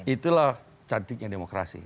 itulah cantiknya demokrasi